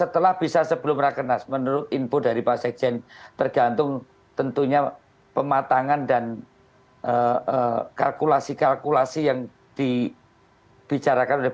tergantung kepada yang mau dipakai